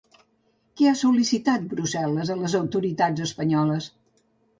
Què ha sol·licitat Brussel·les a les autoritats espanyoles?